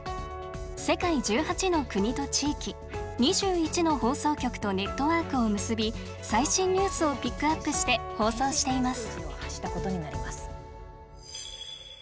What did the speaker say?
世界１８の国と地域２１の放送局とネットワークを結び最新ニュースをピックアップして放送しています。